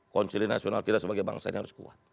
konsiliasi nasional kita sebagai bangsa ini harus kuat